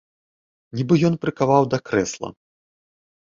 Нібы ён прыкаваў да крэсла.